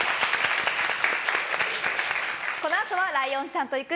このあとはライオンちゃんと行く！